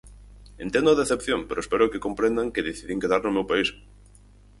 Entendo a decepción pero espero que comprendan que decidín quedar no meu país.